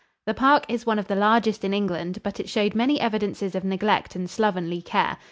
The park is one of the largest in England, but it showed many evidences of neglect and slovenly care.